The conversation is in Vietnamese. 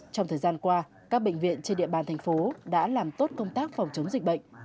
trong thời gian qua các bệnh viện trên địa bàn thành phố đã làm tốt công tác phòng chống dịch bệnh